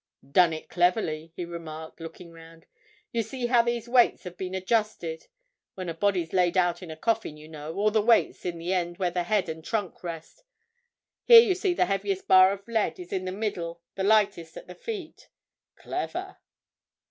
"Done it cleverly," he remarked, looking round. "You see how these weights have been adjusted. When a body's laid out in a coffin, you know, all the weight's in the end where the head and trunk rest. Here you see the heaviest bar of lead is in the middle; the lightest at the feet. Clever!"